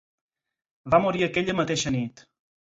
Va morir aquella mateixa nit.